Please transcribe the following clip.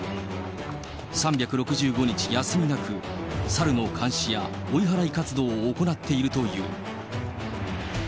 ３６５日休みなく、サルの監視や追い払い活動を行っているという。